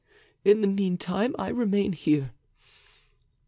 In the meantime, I remain here.